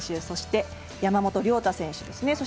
そして、山本涼太選手。